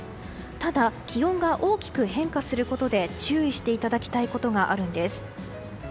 ただ、気温が大きく変化することで注意していただきたいことがあるんです。